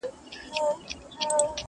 کله کله به خبر دومره اوږده سوه،